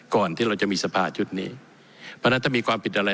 ก่อนที่เราจะมีสภาชุดนี้เพราะฉะนั้นถ้ามีความผิดอะไร